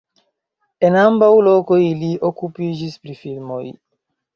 En ambaŭ lokoj li okupiĝis pri filmoj.